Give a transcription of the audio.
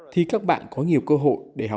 thì các bạn có nhiều cơ hội để học